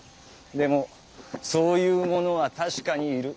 でもそういうものは確かにいる。